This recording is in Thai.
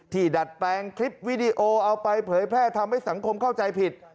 ดัดแปลงคลิปวิดีโอเอาไปเผยแพร่ทำให้สังคมเข้าใจผิด